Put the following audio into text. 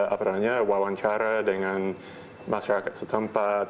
apalagi wawancara dengan masyarakat setempat